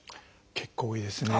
結構多いですね。